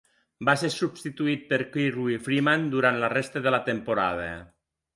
Va ser substituït per Kirby Freeman durant la resta de la temporada.